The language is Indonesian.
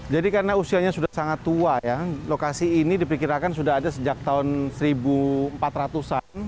jadi karena usianya sudah sangat tua lokasi ini diperkirakan sudah ada sejak tahun seribu empat ratus an